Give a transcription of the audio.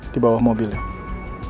di bawah mobilnya